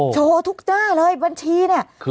โชว์ทุกจ้าเลยบัญชีเนี่ย